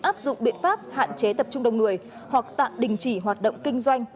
áp dụng biện pháp hạn chế tập trung đông người hoặc tạm đình chỉ hoạt động kinh doanh